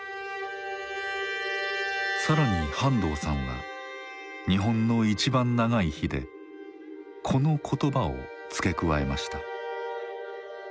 更に半藤さんは「日本のいちばん長い日」でこの言葉を付け加えました。